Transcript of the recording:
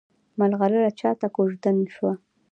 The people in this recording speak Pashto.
ملغلره چاته کوژدن شوه؟